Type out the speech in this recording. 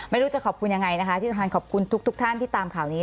ไม่รู้จะขอบคุณยังไงนะคะที่สำคัญขอบคุณทุกท่านที่ตามข่าวนี้